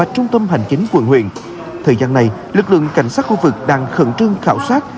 trong thời gian này lực lượng cảnh sát khu vực đang khẩn trương khảo sát